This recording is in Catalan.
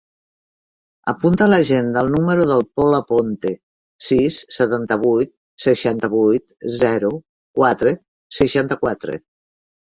Apunta a l'agenda el número del Pol Aponte: sis, setanta-vuit, seixanta-vuit, zero, quatre, seixanta-quatre.